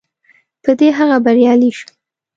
په دې هغه بریالی شو.